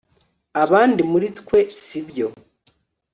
abandi muri twe sibyo